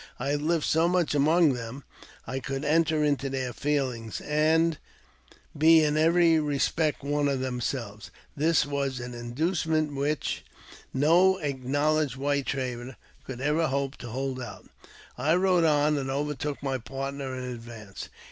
I had lived so much among them that I could enter into their feelings, and be in every respect one of themselves : this was an inducement which no acknowledged white trader could €ver hope to hold out. I rode on, and overtook my partner in advance.